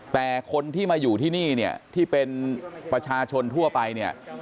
แต่คนที่มาอยู่ที่นี่เนี่ยที่เป็นประชาชนทั่วไปเนี่ย